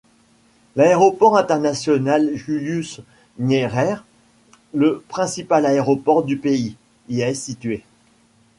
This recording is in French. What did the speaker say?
L'aéroport international Julius Nyerere, le principal aéroport du pays, y est situé.